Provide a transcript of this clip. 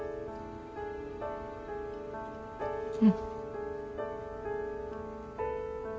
うん。